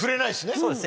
そうですね。